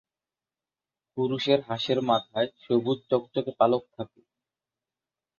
পুরুষের হাঁসের মাথায় সবুজ চকচকে পালক থাকে।